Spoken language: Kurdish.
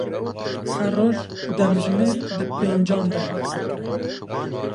Her roj demjimêr di pêncan de.